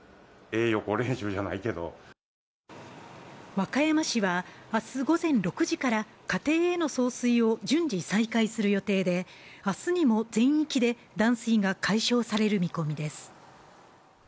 和歌山市は明日午前６時から家庭への送水を順次、再開する予定で明日にも全域で断水が解消される見込みです。